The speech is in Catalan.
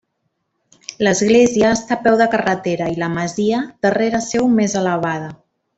L'església està a peu de carretera i la masia darrere seu més elevada.